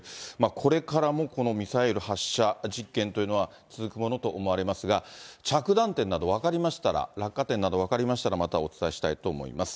これからもこのミサイル発射実験というのは、続くものと思われますが、着弾点など分かりましたら、落下点など分かりましたら、またお伝えしたいと思います。